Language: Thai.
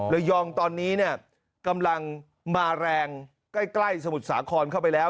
ระยองตอนนี้เนี่ยกำลังมาแรงใกล้สมุทรสาครเข้าไปแล้ว